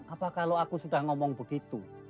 apakah lo aku sudah ngomong begitu